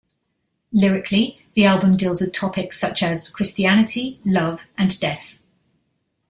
Lyrically, the album deals with topics such as Christianity, love and death.